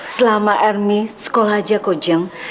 selama ermi sekolah aja ko jeng